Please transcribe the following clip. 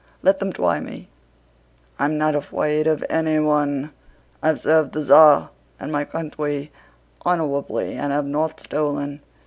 Let them twy me, I'm not afwaid of anyone. I've served the Tsar and my countwy honowably and have not stolen!